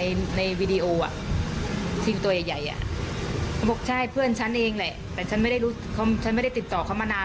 อ่าก็คือเขามา